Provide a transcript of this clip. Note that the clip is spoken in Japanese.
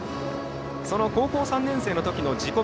その高校３年生のときの自己